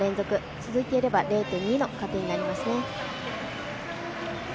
続いていれば０．２の加点になりますね。